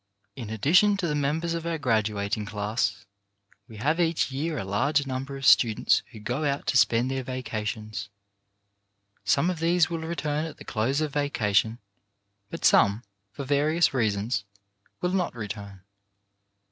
In addition to the members of our graduating 286 CHARACTER BUILDING class, we have each year a large number of students who go out to spend their vacations. Some of these will return at the close of vacation, but some, for various reasons, will not return.